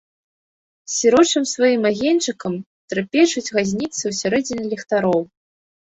Сірочым сваім агеньчыкам трапечуць газніцы ў сярэдзіне ліхтароў.